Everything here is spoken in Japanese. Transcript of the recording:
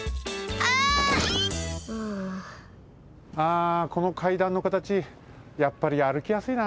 ああこの階段の形やっぱりあるきやすいな。